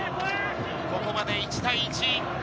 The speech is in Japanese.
ここまで１対１。